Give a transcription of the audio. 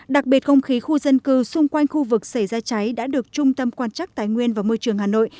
đặc biệt không khí khu dân cư xung quanh khu vực xảy ra cháy đã được trung tâm quan trắc tài nguyên và môi trường hà nội